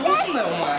お前